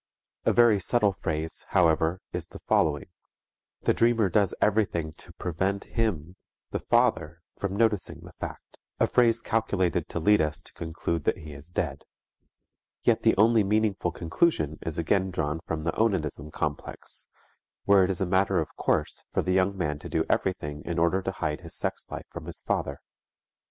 A very subtle phrase, however, is the following: "The dreamer does everything to prevent him (the father) from noticing the fact," a phrase calculated to lead us to conclude that he is dead. Yet the only meaningful conclusion is again drawn from the onanism complex, where it is a matter of course for the young man to do everything in order to hide his sex life from his father.